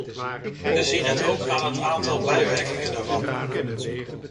We zien het ook aan het aantal bijwerkingen daarvan.